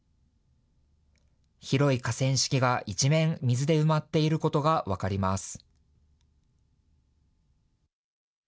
広い河川敷が一面、水で埋まっていることが分かります。